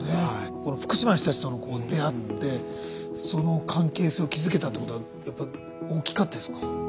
この福島の人たちと出会ってその関係性を築けたってことはやっぱり大きかったですか。